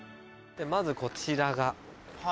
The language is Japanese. まずこちらが。